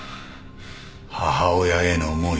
母親への思い。